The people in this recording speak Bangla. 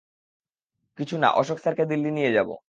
কিছু না, অশোক স্যারকে দিল্লি নিয়ে যাব।